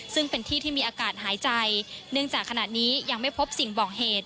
ซึ่งเป็นที่ที่มีอากาศหายใจเนื่องจากขณะนี้ยังไม่พบสิ่งบอกเหตุ